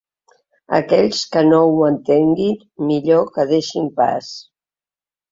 Aquells que no ho entenguin, millor que deixin pas.